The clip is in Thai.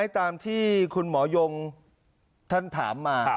ตามที่คุณหมอยงท่านถามมา